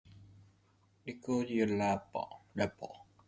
Écoute y'en a pas. N'a pas.